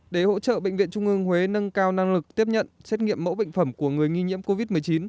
để hỗ trợ bệnh viện trung ương huế nâng cao năng lực tiếp nhận xét nghiệm mẫu bệnh phẩm của người nghi nhiễm covid một mươi chín